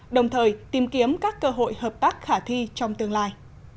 đồng thời tìm kiếm các cơ hội hợp tác khả thi trong tương lai